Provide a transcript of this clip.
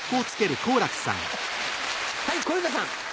はい小遊三さん。